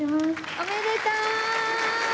おめでとう！